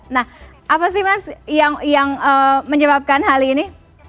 nah apa sih mas yang menyebabkan hal ini